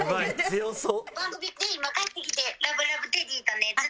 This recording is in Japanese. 強そう。